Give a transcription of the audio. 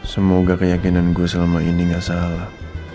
semoga keyakinan gue selama ini gak salah